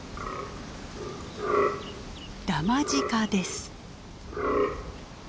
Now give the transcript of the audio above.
ダマジカです。